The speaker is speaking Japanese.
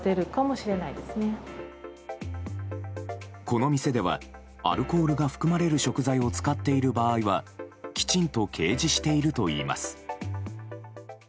この店ではアルコールが含まれる食材を使っている場合はきちんと掲示しているといいます。